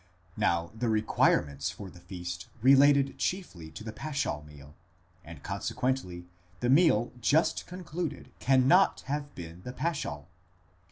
Now the requirements for the feast related chiefly to the paschal meal, and consequently the meal just concluded cannot have been the paschal.